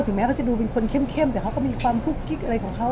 แม้เขาจะดูเป็นคนเข้มแต่เขาก็มีความกุ๊กกิ๊กอะไรของเขา